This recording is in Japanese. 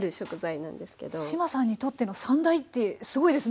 志麻さんにとっての三大ってすごいですね。